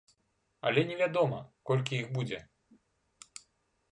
Але невядома, колькі іх будзе.